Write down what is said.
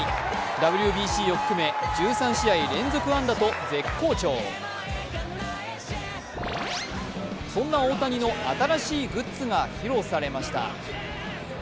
ＷＢＣを含め１３試合連続安打と絶好調そんな大谷の新しいグッズが披露されました。